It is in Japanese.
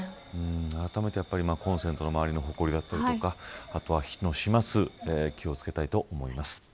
あらためてコンセントの周りのほこりだったりとかあとは、火の始末気を付けたいと思います。